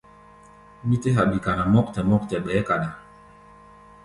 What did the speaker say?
Mí tɛ́ haɓi kana mɔ́ktɛ mɔ́ktɛ, ɓɛɛ́ kaɗá.